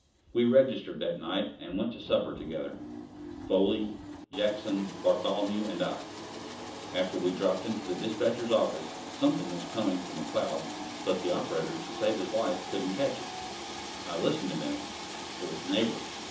We registered that night and went to supper together: Foley, Jackson, Bartholomew, and I. Afterward we dropped into the despatcher's office. Something was coming from McCloud, but the operator to save his life couldn't catch it. I listened a minute; it was Neighbor.